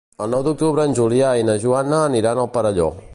El nou d'octubre en Julià i na Joana aniran al Perelló.